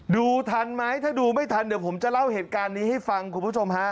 ทันไหมถ้าดูไม่ทันเดี๋ยวผมจะเล่าเหตุการณ์นี้ให้ฟังคุณผู้ชมฮะ